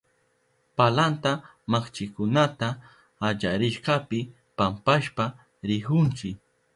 Palanta mallkikunata allarishkapi pampashpa rihunchi.